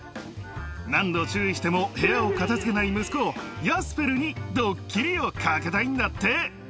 何度注意しても部屋を片付けない息子ヤスペルにドッキリをかけたいんだって！